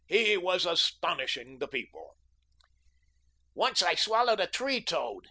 He was astonishing the people. "Once I swallowed a tree toad."